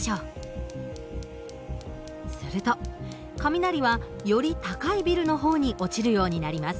すると雷はより高いビルの方に落ちるようになります。